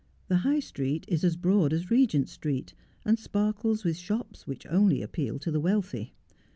The High Street is as broad as Eegent Street, and sparkles with shops which only appeal to the wealthy.